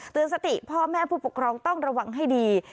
สติพ่อแม่ผู้ปกครองต้องระวังให้ดี